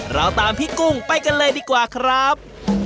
เราตามพี่กุ้งไปกันเลยดีกว่าครับ